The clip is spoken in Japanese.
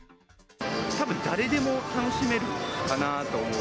たぶん、誰でも楽しめるかなと思う。